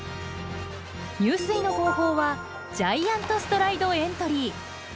入水の方法はジャイアント・ストライド・エントリー。